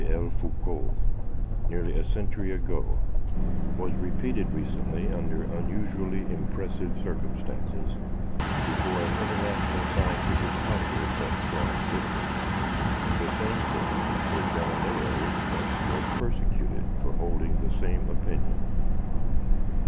L. Foucault nearly a century ago was repeated recently under unusually impressive circumstances before an international scientific congress at Florence, Italy, the same city where Galileo once was persecuted for holding the same opinion.